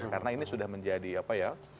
karena ini sudah menjadi apa ya